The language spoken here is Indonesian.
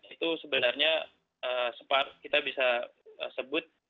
itu sebenarnya kita bisa sebut